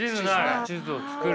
地図を作る。